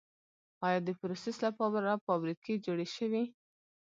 آیا دپروسس لپاره فابریکې جوړې شوي؟